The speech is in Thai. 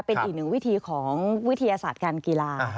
เป็นอีกหนึ่งวิธีของวิทยาศาสตร์การกีฬา